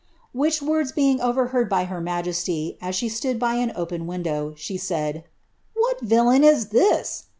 "' which words being overheard by her majesty, as she stood hv an open windoa. ehe said, ' What vdlain is this